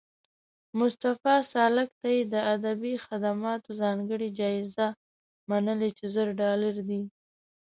مصطفی سالک ته یې د ادبي خدماتو ځانګړې جایزه منلې چې زر ډالره دي